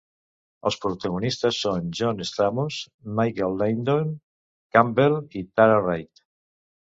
Els protagonistes són John Stamos, Michael Leydon Campbell i Tara Reid.